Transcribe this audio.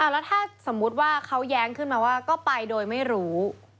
แล้วถ้าสมมุติว่าเขาแย้งขึ้นมาว่าก็ไปโดยไม่รู้